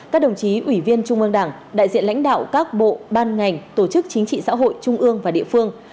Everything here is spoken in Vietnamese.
các đồng chí ủy viên trung ương đảng đại diện lãnh đạo các bộ ban ngành tổ chức chính trị xã hội trung ương và địa phương